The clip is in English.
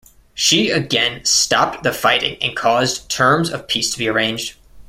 She again stopped the fighting and caused terms of peace to be arranged.